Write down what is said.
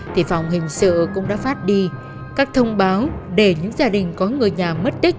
thì phòng hình sự cũng đã phát đi các thông báo để những gia đình có người nhà mất tích